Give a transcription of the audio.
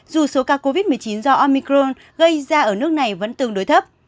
tối ca covid một mươi chín do omicron gây ra ở nước này vẫn tương đối thấp